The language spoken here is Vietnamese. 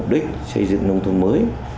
mục tiêu mục đích xây dựng nông thôn mới